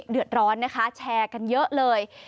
เดือดร้อนนะคะแชร์กันเยอะเลย